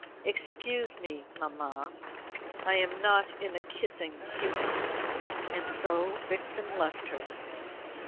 "Excuse me, mamma; I am not in a kissing humour." And so Vixen left her.